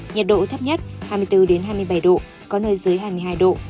nhiệt độ thấp nhất hai mươi bốn hai mươi bảy độ có nơi dưới hai mươi hai độ